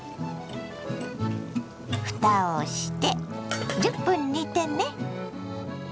ふたをして１０分煮てね。